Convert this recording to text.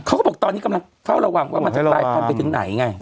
เขาก็บอกตอนนี้กำลังเฝ้าระวังว่ามันจะกลายพันธุ์ไปถึงไหนไง